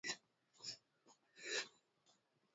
هغه انجنیر وویل چې دا ماشین ډېر قوي دی.